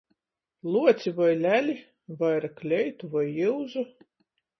Luoci voi leli? Vaira kleitu voi jiuzu?